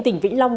tỉnh vĩnh long